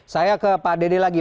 saya ke pak dede lagi